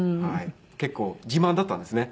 結構自慢だったんですね。